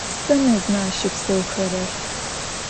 Sıda mezme aşıpseuxerer?